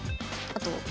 あと。